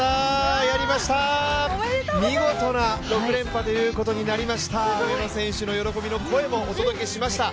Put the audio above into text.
見事な６連覇ということになりました上野選手の喜びの声もお届けしました。